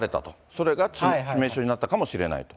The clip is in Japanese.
それが致命傷になったかもしれないと。